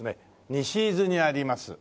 西伊豆にあります